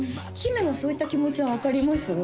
姫もそういった気持ちは分かります？